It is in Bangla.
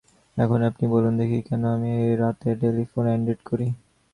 এখন আপনি বলুন দেখি, কেন আমি রাতের টেলিফোন অ্যাটেন্ড করি?